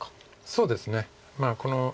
そうですね。